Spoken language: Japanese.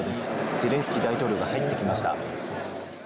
ゼレンスキー大統領が入ってきました。